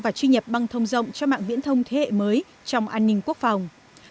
và truy nhập băng thông rộng cho mạng viễn thông thế hệ mới trong an ninh quốc phòng